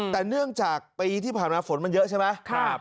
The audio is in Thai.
แต่เนื่องจากปีที่ผ่านมาฝนมันเยอะใช่ไหม